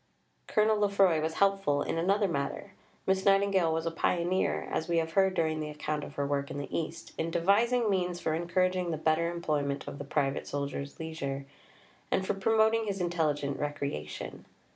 Colonel Lefroy was helpful in another matter. Miss Nightingale was a pioneer, as we have heard during the account of her work in the East, in devising means for encouraging the better employment of the private soldier's leisure, and for promoting his intelligent recreation.